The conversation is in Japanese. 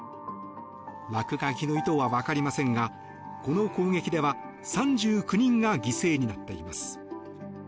落書きの意図はわかりませんがこの攻撃では３９人が犠牲になっています。